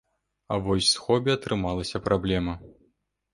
А вось з хобі атрымалася праблема.